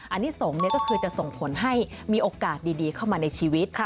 อันนี้สงฆ์ก็คือจะส่งผลให้มีโอกาสดีเข้ามาในชีวิต